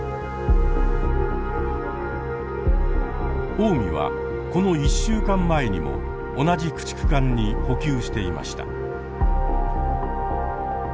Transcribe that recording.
「おうみ」はこの１週間前にも同じ駆逐艦に補給していました。